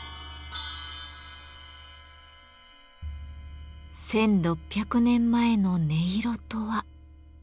１，６００年前の音色とは。